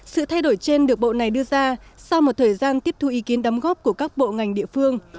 sự thay đổi trên được bộ này đưa ra sau một thời gian tiếp thu ý kiến đóng góp của các bộ ngành địa phương